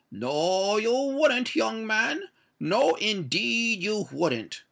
"No, you wouldn't, young man—no, indeed, you wouldn't!"